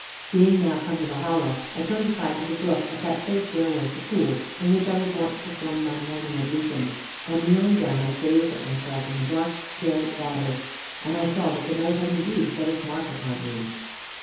Being now come to the Hollow, I turned aside to the brook, at that place where was the pool in which I was wont to perform my morning ablutions; and, kneeling down, I gazed at myself in the dark, still water; and I saw that the night had, indeed, set its mark upon me.